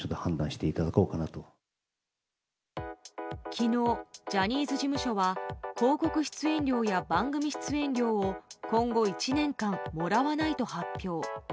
昨日、ジャニーズ事務所は広告出演料や番組出演料を今後１年間、もらわないと発表。